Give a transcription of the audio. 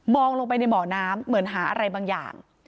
ลงไปในบ่อน้ำเหมือนหาอะไรบางอย่าง